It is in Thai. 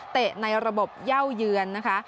ในระบบเย่าเยือนนะคะ